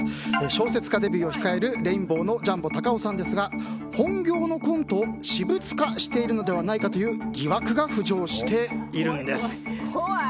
小説家デビューを控えるレインボーのジャンボたかおさんですが本業のコントを私物化しているのではないかという疑惑が浮上しているんです。